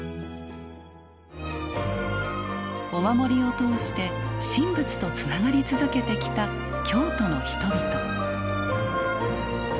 お守りを通して神仏とつながり続けてきた京都の人々。